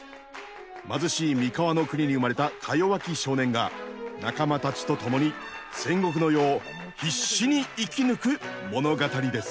貧しい三河の国に生まれたかよわき少年が仲間たちと共に戦国の世を必死に生き抜く物語です。